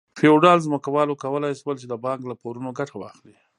فیوډال ځمکوالو کولای شول چې د بانک له پورونو ګټه واخلي.